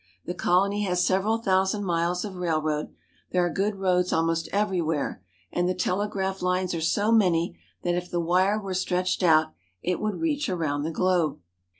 The colony has several thousand miles of railroad, there are good roads almost everywhere, and the telegraph lines are so many that if the wire were stretched out, it would reach around the globe.